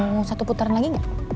mau satu putaran lagi nggak